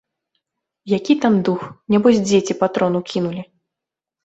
Які там дух, нябось дзеці патрон укінулі.